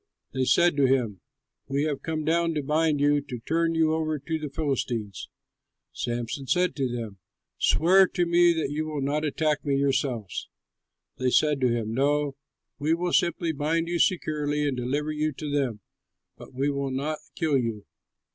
They said to him, "We have come down to bind you, to turn you over to the Philistines." Samson said to them, "Swear to me that you will not attack me yourselves." They said to him, "No; we will simply bind you securely and deliver you to them; but we will not kill you."